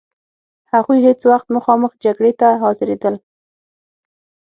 هغوی هیڅ وخت مخامخ جګړې ته حاضرېدل.